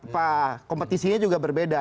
pak kompetisinya juga berbeda